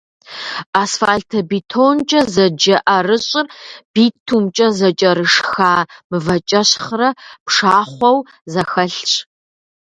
Асфальтобетонкӏэ зэджэ ӏэрыщӏыр битумкӏэ зэкӏэрышха мывэкӏэщхърэ пшахъуэу зэхэлъщ.